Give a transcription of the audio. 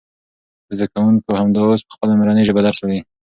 زده کوونکي همدا اوس په خپله مورنۍ ژبه درس لولي.